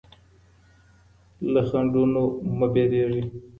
له خنډونو مه وېرېږئ.